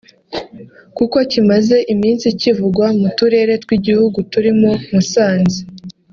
kuko kimaze iminsi kivugwa mu turere tw’igihugu turimo Musanze